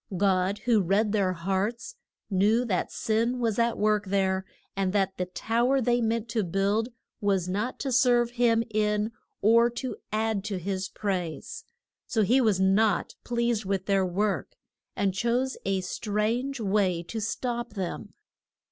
God, who read their hearts, knew that sin was at work there, and that the tow er they meant to build was not to serve him in, or to add to his praise. So he was not pleased with their work, and chose a strange way to stop them.